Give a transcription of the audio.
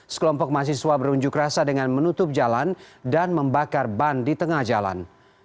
sekelompok mahasiswa berunjuk rasa dengan menutup jalan dan membakar ban di tengah jalan